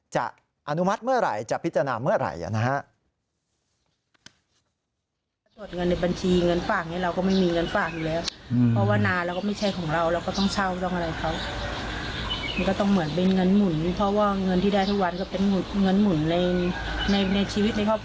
อนุมัติเมื่อไหร่จะพิจารณาเมื่อไหร่นะฮะ